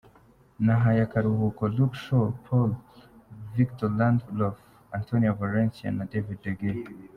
Nahaye akaruhuko Luke Shaw, Paul, Victor Lindelof, Antonio Valencia na David de Gea.